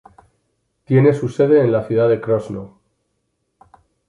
Tiene su sede en la ciudad de Krosno.